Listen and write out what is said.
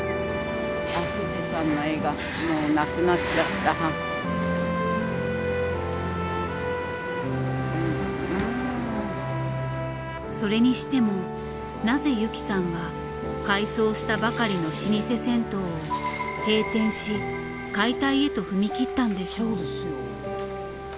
だからそれにしてもなぜユキさんは改装したばかりの老舗銭湯を閉店し解体へと踏み切ったんでしょう？